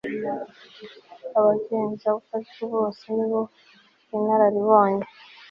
abagenza batyo bose ni bo inararibonye